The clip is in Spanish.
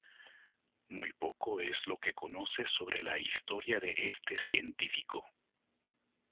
Muy poco es lo que conoce sobre la historia de este científico.